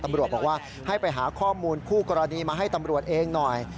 ตำรวจบอกว่าให้ไปหาข้อมูลคู่กรณีมาให้ตำรวจเองหน่อย